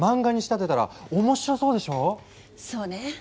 そうね。